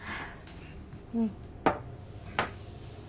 うん。